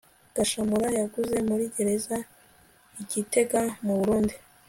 gashamura yaguye muri gereza i gitega mu burundi